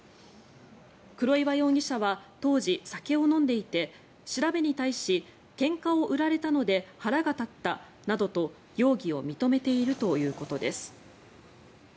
黒岩容疑者は当時、酒を飲んでいて調べに対しけんかを売られたので腹が立ったなどと容疑を認めているということです。